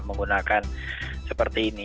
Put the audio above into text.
menggunakan seperti ini